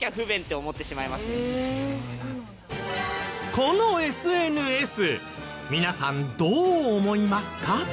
このＳＮＳ皆さんどう思いますか？